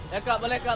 ya kak boleh kak